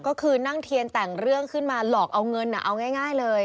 ก็คือนั่งเทียนแต่งเรื่องขึ้นมาหลอกเอาเงินเอาง่ายเลย